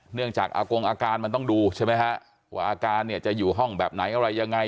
จากอากงอาการมันต้องดูใช่ไหมฮะว่าอาการเนี่ยจะอยู่ห้องแบบไหนอะไรยังไง